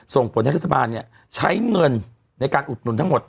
ส่งผลให้รัฐบาลใช้เงินในการอุดหนุนทั้งหมด